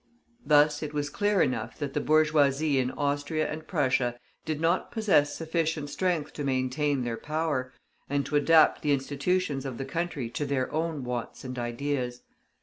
Thus, it was clear enough that the bourgeoisie in Austria and Prussia did not possess sufficient strength to maintain their power, and to adapt the institutions of the country to their own wants and ideas.